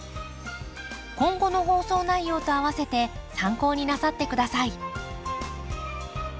今後の放送内容とあわせて参考になさって下さい。